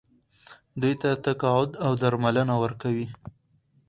دوی ته تقاعد او درملنه ورکوي.